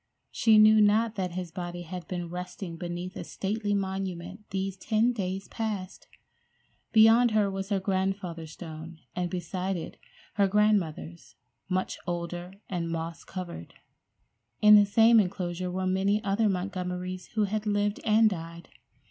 She knew not that his body had been resting beneath a stately monument these ten days past! Beyond her was her grandfather's stone, and beside it her grandmother's, much older and moss covered. In the same enclosure were many other Montgomerys who had lived and died.